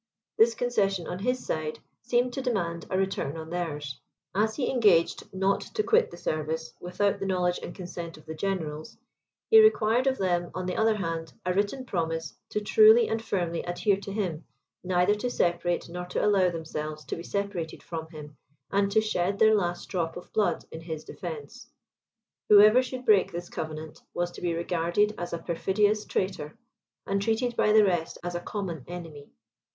This concession on his side, seemed to demand a return on theirs; as he engaged not to quit the service without the knowledge and consent of the generals, he required of them, on the other hand, a written promise to truly and firmly adhere to him, neither to separate nor to allow themselves to be separated from him, and to shed their last drop of blood in his defence. Whoever should break this covenant, was to be regarded as a perfidious traitor, and treated by the rest as a common enemy.